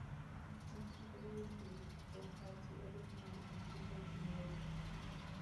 After getting engaged, they had to overcome a difference in religion.